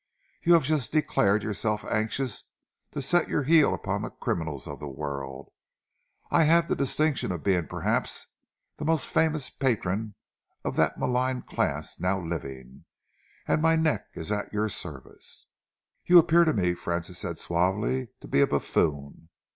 You have just declared yourself anxious to set your heel upon the criminals of the world. I have the distinction of being perhaps the most famous patron of that maligned class now living and my neck is at your service." "You appear to me," Francis said suavely, "to be a buffoon."